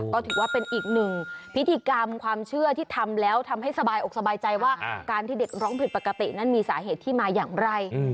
ก็ถือว่าเป็นอีกหนึ่งพิธีกรรมความเชื่อที่ทำแล้วทำให้สบายอกสบายใจว่าการที่เด็กร้องผิดปกตินั้นมีสาเหตุที่มาอย่างไร